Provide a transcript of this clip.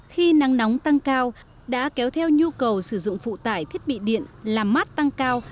khi nắng nóng tăng cao đã kéo theo nhu cầu sử dụng phụ tải thiết bị điện làm mát tăng cao